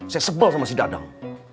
saya sebel sama si dadang